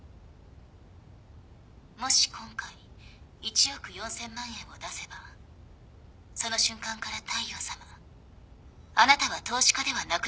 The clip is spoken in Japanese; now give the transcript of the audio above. もし今回１億４，０００万円を出せばその瞬間から大陽さまあなたは投資家ではなくなりますよ。